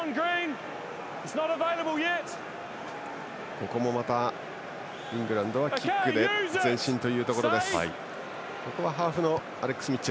ここもまたイングランドはキックで前進というところ。